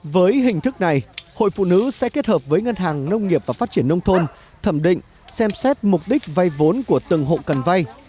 với hình thức này hội phụ nữ sẽ kết hợp với ngân hàng nông nghiệp và phát triển nông thôn thẩm định xem xét mục đích vay vốn của từng hộ cần vay